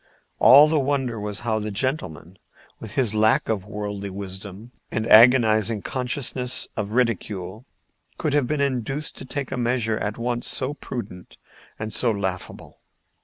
All the wonder was how the gentleman, with his lack of worldly wisdom and agonizing consciousness of ridicule, could have been induced to take a measure at once so prudent and so laughable.